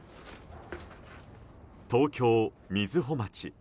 東京・瑞穂町。